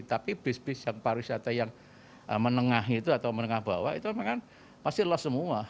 tapi bus bus pariwisata yang menengah itu atau menengah bawah itu memang pasti lost semua